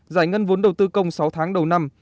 giải ngân vốn đầu tư công sáu tháng đầu năm